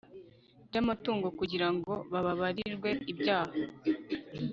by'amatungo kugira ngo bababarirwe ibyaha